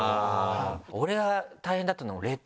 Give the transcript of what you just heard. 俺は大変だったの。